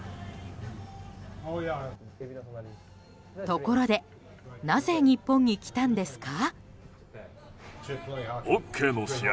ところでなぜ、日本に来たんですか？